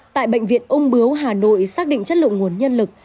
tại bệnh viện ung bướu hà nội xác định chất lượng nguồn nhân lực